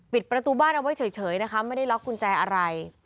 ประตูบ้านเอาไว้เฉยนะคะไม่ได้ล็อกกุญแจอะไร